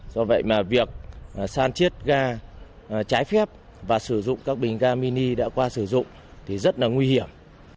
do vậy mà việc san chiết ga trái phép và sử dụng các bình ga mini đã qua sử dụng thì rất là nguy hiểm